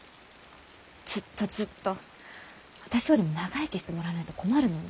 ずっとずっと私よりも長生きしてもらわないと困るのに。